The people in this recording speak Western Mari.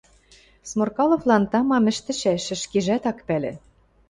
Сморкаловлан тамам ӹштӹшӓш, ӹшкежӓт ак пӓлӹ.